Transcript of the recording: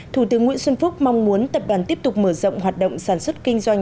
thủ tướng nguyễn xuân phúc mong muốn tập đoàn tiếp tục mở rộng hoạt động sản xuất kinh doanh